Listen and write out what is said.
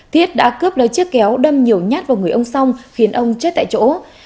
thiết đã cướp lấy chiếc kéo đâm nhiều nhát vào người ông song khiến ông chết tại chỗ